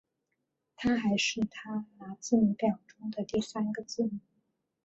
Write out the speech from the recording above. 它还是它拿字母表中的第三个字母。